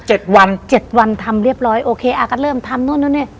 เจ็ดวันเจ็ดวันทำเรียบร้อยโอเคอ่าก็เริ่มทำนู่นนู่นนี่